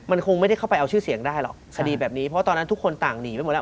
มันคงไม่ได้เข้าไปเอาชื่อเสียงได้หรอกคดีแบบนี้เพราะตอนนั้นทุกคนต่างหนีไปหมดแล้ว